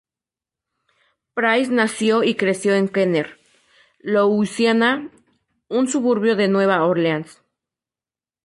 Price nació y creció en Kenner, Louisiana, un suburbio de Nueva Orleans.